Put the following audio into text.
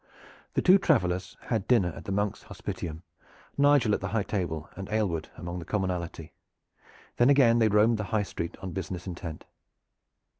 The two travelers had dinner at the monk's hospitium, Nigel at the high table and Aylward among the commonalty. Then again they roamed the high street on business intent.